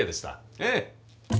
ええ。